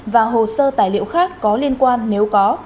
và hồ sơ tài liệu khác có liên quan nếu có